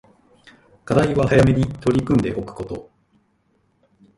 課題は早めに取り組んでおくこと